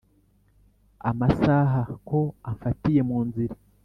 amasaha ko amfatiye munzira